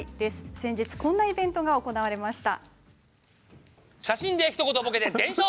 先日こんなイベントが行われました。